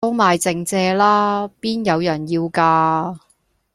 都賣剩蔗啦！邊有人要架